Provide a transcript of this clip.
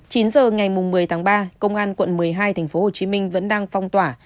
chín h ngày một mươi tháng ba công an quận một mươi hai tp hcm vẫn đang phong tỏa